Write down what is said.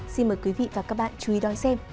xin mời quý vị và các bạn chú ý đón xem